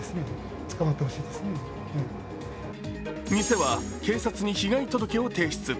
店は警察に被害届を提出。